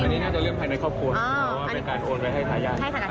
อันนี้น่าจะเรื่องภายในครอบครัวเพราะว่าเป็นการโอนไว้ให้ทายาท